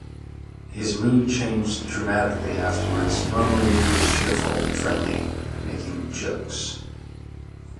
His mood changed dramatically afterwards - normally he was cheerful, friendly, making jokes.